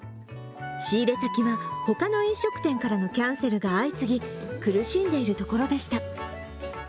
仕入れ先は他の飲食店からのキャンセルが相次ぎ苦しんでいるところでした。